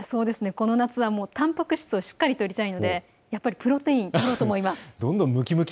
この夏はたんぱく質をしっかりとりたいのでプロテインをとろうと思います。